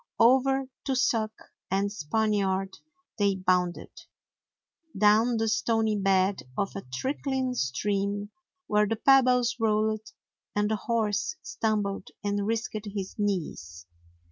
Over tussock and "Spaniard" they bounded; down the stony bed of a trickling stream where the pebbles rolled and the horse stumbled and risked his knees.